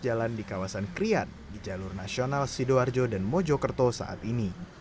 jalan di kawasan krian di jalur nasional sidoarjo dan mojokerto saat ini